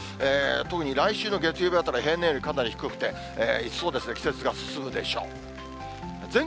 特に来週の月曜日あたりは平年よりかなり低くて、一層季節が進むでしょう。